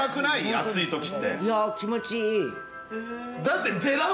暑い時って。